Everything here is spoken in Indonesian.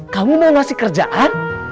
kamu mau ngasih kerjaan